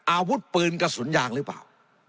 อาวุธปืนกระสุนยางหรือเปล่า